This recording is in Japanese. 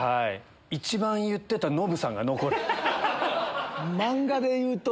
一番言ってたノブさんが残る。